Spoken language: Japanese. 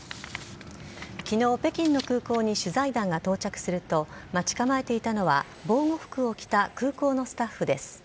きのう、北京の空港に取材団が到着すると、待ち構えていたのは、防護服を着た空港のスタッフです。